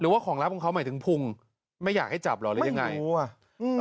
หรือว่าของลับของเขาหมายถึงพุงไม่อยากให้จับหรอกหรือยังไงไม่รู้อ่ะ